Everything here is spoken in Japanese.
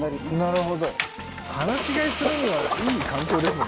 なるほど放し飼いするにはいい環境ですもんね